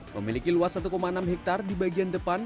memiliki luas satu enam hektare di bagian depan